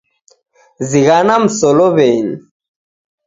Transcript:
Zighana msuluwenyi